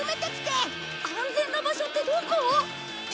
安全な場所ってどこ？